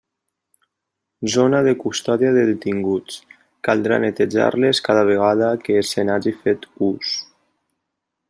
Zona de custòdia de detinguts: caldrà netejar-les cada vegada que se n'hagi fet ús.